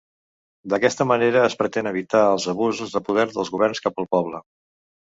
D'aquesta manera es pretén evitar els abusos de poder dels governs cap al poble.